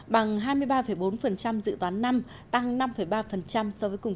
bằng hai mươi ba bốn dự toán năm tăng năm ba so với cùng kỳ